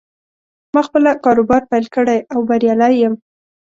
ما خپله کاروبار پیل کړې او بریالی یم